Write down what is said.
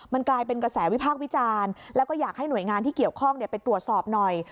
มันกลายเป็นกระแสวิพากษ์วิจารณ์แล้วก็อยากให้หน่วยงานที่เกี่ยวข้องไปตรวจสอบหน่อย